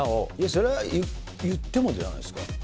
それはいってもじゃないです